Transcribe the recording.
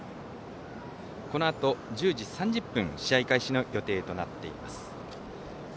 このあと、１０時３０分試合開始の予定となっています。